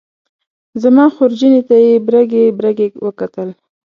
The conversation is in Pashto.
زما خورجینې ته یې برګې برګې وکتل.